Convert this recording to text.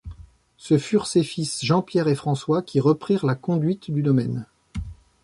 Ce furent ses fils Jean-Pierre et François, qui reprirent la conduite du domaine.